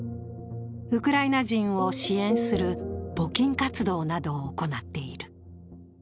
ウクライナ人を支援する募金活動などを行っている。